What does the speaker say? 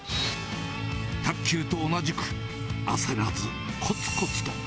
卓球と同じく、焦らず、こつこつと。